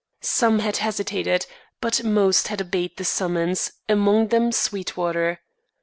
Some had hesitated; but most had obeyed the summons, among them Sweetwater.